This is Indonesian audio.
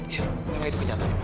ya memang itu kenyataan